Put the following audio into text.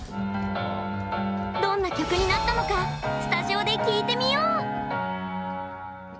どんな曲になったのかスタジオで聴いてみよう！